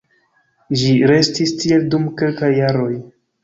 Ĝi restis tiel dum kelkaj jaroj.